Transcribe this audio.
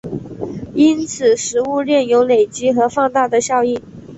因此食物链有累积和放大的效应。